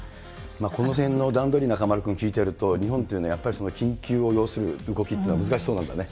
このへんの段取り、中丸君、聞いていると、日本というのは、やっぱり緊急を要する動きっていうのは難しいそうだね。